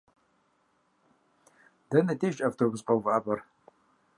Дэнэ деж автобус къэувыӏэпӏэр?